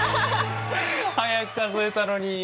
速く数えたのに！